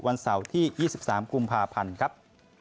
วันเสาร์ที่๒๓กุมภาพันธ์ครับ